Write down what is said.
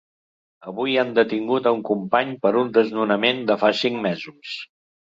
Avui han detingut a un company per un desnonament de fa cinc mesos!